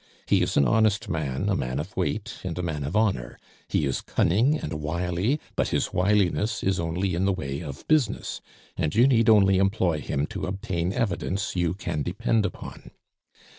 He is an honest man, a man of weight, and a man of honor; he is cunning and wily; but his wiliness is only in the way of business, and you need only employ him to obtain evidence you can depend upon.